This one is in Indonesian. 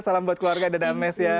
salam buat keluarga dan ames ya